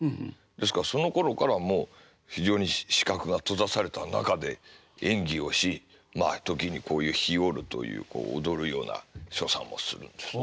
ですからそのころからもう非常に視覚が閉ざされた中で演技をしまあ時にこういうひよるという踊るような所作もするんですね。